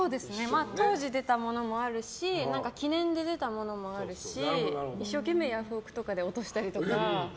当時出たものもあるし記念で出たものもあるし一生懸命ヤフオク！とかで落としたりとか。